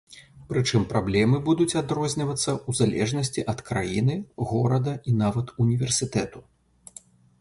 Прычым праблемы будуць адрозніваюцца ў залежнасці ад краіны, горада і нават універсітэту.